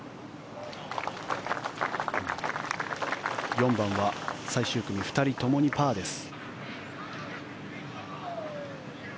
４番は最終組２人とも二パーです。